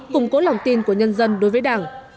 củng cố lòng tin của nhân dân đối với đảng